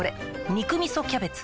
「肉みそキャベツ」